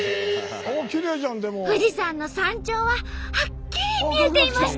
富士山の山頂ははっきり見えていました。